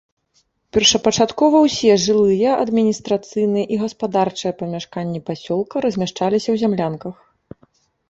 Першапачаткова ўсе жылыя, адміністрацыйныя і гаспадарчыя памяшканні пасёлка размяшчаліся ў зямлянках.